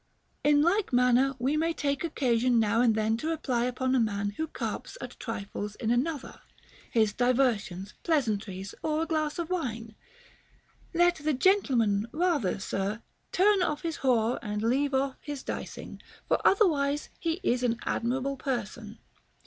In like manner we may take occasion now and then to reply upon a man who carps at trifles in another, — his diversions, pleasantries, or a glass of wine, — Let the gentleman rather, sir, turn off his whore and leave off his dicing ; for otherwise he is an admirable person.